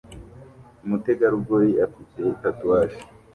Umutegarugori afite tatouage